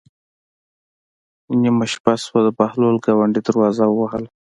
نیمه شپه شوه د بهلول ګاونډي دروازه ووهله.